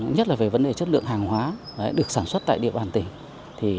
nhất là về vấn đề chất lượng hàng hóa được sản xuất tại địa bàn tỉnh